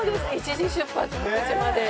１時出発で９時まで。